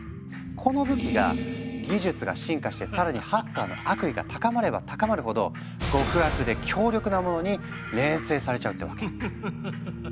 この武器が技術が進化して更にハッカーの悪意が高まれば高まるほど極悪で強力なモノに錬成されちゃうってわけ。